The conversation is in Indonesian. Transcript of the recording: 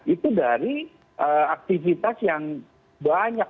itu dari aktivitas yang banyak